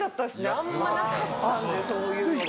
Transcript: あんまなかったんでそういうのが。